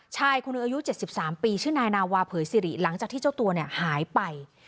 ชายคนหนึ่งอายุ๗๓ปีชื่อนายนาวาเผยสิริหลังจากที่เจ้าตัวหายไป